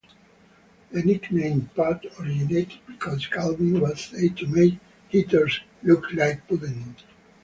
The nickname "Pud" originated because Galvin was said to make hitters "look like pudding.